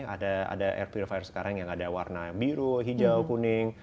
ada air purifier sekarang yang ada warna biru hijau kuning